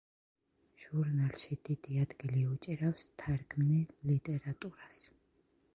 ჟურნალში დიდი ადგილი უჭირავს თარგმნილ ლიტერატურას.